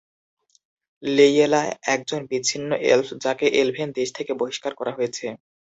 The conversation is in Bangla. লেই'য়েলা একজন বিচ্ছিন্ন এলফ যাকে এলভেন দেশ থেকে বহিষ্কার করা হয়েছে।